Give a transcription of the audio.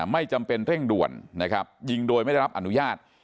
ไม่จำเป็นเร่งด่วนนะครับยิงโดยไม่ได้รับอนุญาต